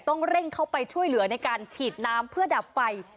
ต้องเร่งเข้าไปช่วยเหลือในการฉีดน้ำเพื่อดับไฟ